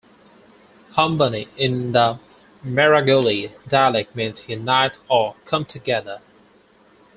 "Hambani" in the Maragoli dialect means "unite" or "come together.